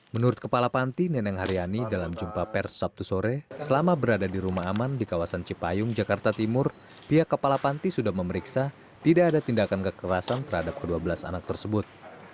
menurut kepala panti neneng haryani dalam jumpa per sabtu sore selama berada di rumah aman di kawasan cipayung jakarta timur pihak kepala panti sudah memeriksa tidak ada tindakan kekerasan terhadap ke dua belas anak tersebut